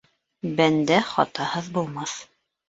Бәндә хатаһыҙ булмаҫ.